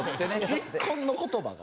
結婚の言葉が？